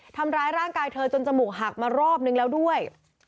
ทำร้ายร่างกายเธอจนจมูกหักมารอบนึงแล้วด้วย